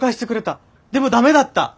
でも駄目だった。